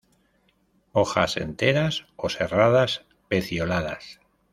Hojas enteras o serradas, pecioladas.